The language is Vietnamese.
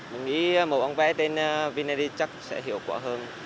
mình nghĩ một văn vé tên vin id chắc sẽ hiệu quả hơn